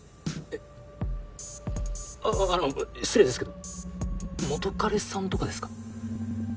あっあっあの失礼ですけど元カレさんとかですか？